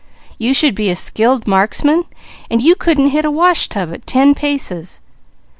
You should be a skilled marksman; you couldn't hit a wash tub at ten paces.